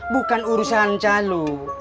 bukan urusan calo